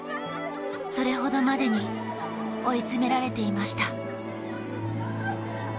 それほどまでに追い詰められていました。